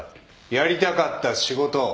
やりたかった仕事。